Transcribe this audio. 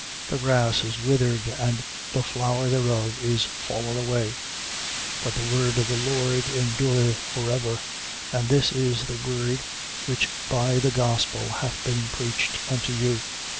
The grass is withered and the flower thereof is fallen away. 1:25. But the word of the Lord endureth for ever. And this is the word which by the gospel hath been preached unto you.